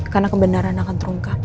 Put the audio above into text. karena kebenaran akan terungkap